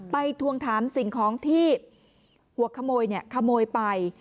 ทวงถามสิ่งของที่หัวขโมยขโมยไป